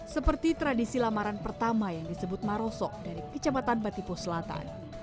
seperti tradisi lamaran pertama yang disebut marosok dari kecamatan batipo selatan